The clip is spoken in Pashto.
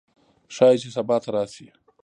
ښايي چې سبا ته راشي